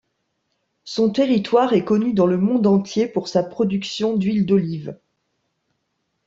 Son territoire est connu dans le monde entier pour sa production d'huile d'olive.